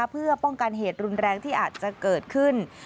เพื่อป้องกันเหตุรุนแรงที่อาจจะเกิดขึ้น